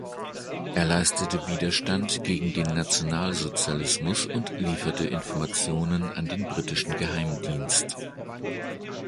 Er leistete Widerstand gegen den Nationalsozialismus und lieferte Informationen an den britischen Geheimdienst.